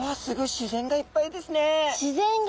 自然がいっぱいですね。